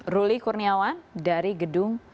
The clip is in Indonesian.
ruli kurniawan dari gedung